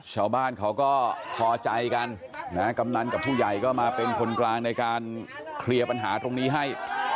ชาวบ้านเขาก็พอใจกันนะฮะกำนันกับผู้ใหญ่ก็มาเป็นคนกลางในการเคลียร์ปัญหาตรงนี้ให้